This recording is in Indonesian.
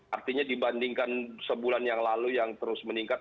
artinya dibandingkan sebulan yang lalu yang terus meningkat